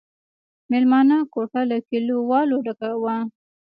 مېلمانه کوټه له کليوالو ډکه وه.